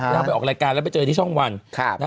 นางไปออกรายการแล้วไปเจอที่ช่องวัน